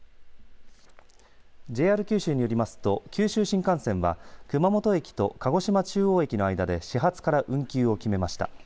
ＪＲ九州によりますと九州新幹線は熊本駅と鹿児島中央駅の間で始発から運休を決めました。